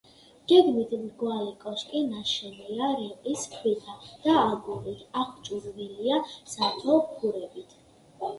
გეგმით მრგვალი კოშკი ნაშენია რიყის ქვითა და აგურით, აღჭურვილია სათოფურებით.